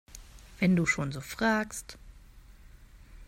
Wenn du schon so fragst!